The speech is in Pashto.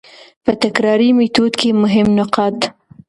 په تکراري ميتود کي مهم نقاط: